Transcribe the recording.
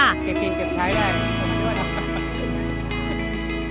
เก็บกินเก็บใช้ได้